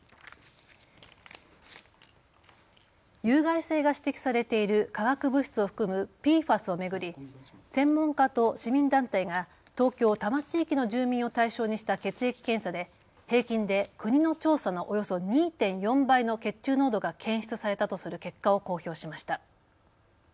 有害性が指摘されている化学物質を含むＰＦＡＳを巡り専門家と市民団体が東京多摩地域の住民を対象にした血液検査で平均で国の調査のおよそ２．４倍の血中濃度が検出されたとする結果を公表しました。